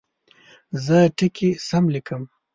زه ټکي سم لیکم.